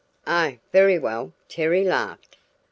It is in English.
"Oh, very well," Terry laughed.